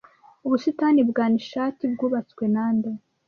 Ubusitani bwa Nishat bwubatswe nande